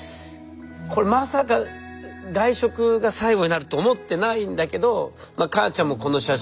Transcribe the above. これまさか外食が最後になると思ってないんだけど母ちゃんもこの写真